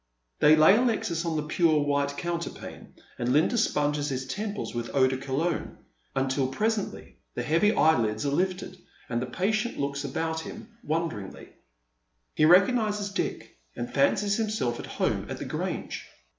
They lay Alexis on the pure white counterpane, and Linda sponges his temples ^vith eau de Cologne, until presently the heavy eyelids are lifted, and the patient looks about him won deringly. He recognises Dick, and fancies himself at home at the Grange.